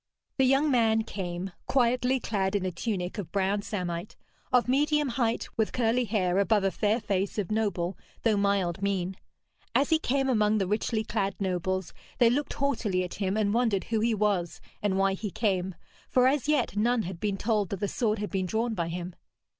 The young man came, quietly clad in a tunic of brown samite, of medium height, with curly hair above a fair face of noble, though mild mien. As he came among the richly clad nobles, they looked haughtily at him, and wondered who he was and why he came, for as yet none had been told that the sword had been drawn by him.